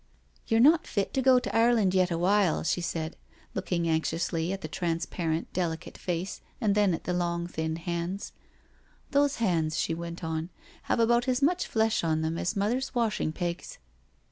" You're not fit to go to Ireland yet awhile," she said, looking anxiously at the transparent delicate face, JOE'S SURRENDER 303 and then at the long thin hands. " Those hands/' she went on, " have about as much flesh on them as Mother's washing pegs."